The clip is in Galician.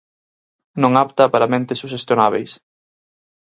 Non apta para mentes suxestionábeis.